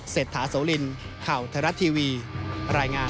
เศรษฐาโสลินข่าวไทยรัฐทีวีรายงาน